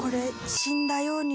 死んだように？